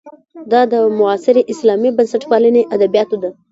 دا د معاصرې اسلامي بنسټپالنې ادبیاتو ده.